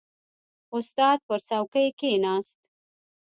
• استاد پر څوکۍ کښېناست.